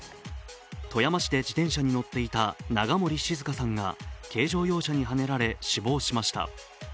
富山市で自転車に乗っていた永森志寿香さんが軽乗用車にはねられ死亡しました。